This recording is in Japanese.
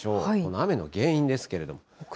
雨の原因ですけれども。